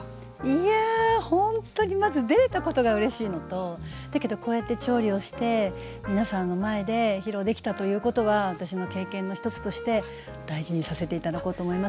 いやほんとにまず出れたことがうれしいのとだけどこうやって調理をして皆さんの前で披露できたということは私の経験の一つとして大事にさせて頂こうと思います。